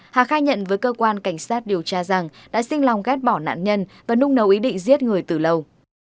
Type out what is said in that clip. hà khai nhận với cơ quan cảnh sát điều tra rằng đã xin lòng ghép bỏ nạn nhân và nung nấu ý định giết người từ lâu